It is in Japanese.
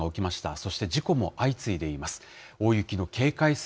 そして事故も相次いでいます。